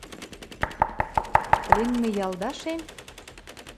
Пленный ялдашем?